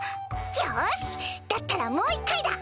よしだったらもう１回だ！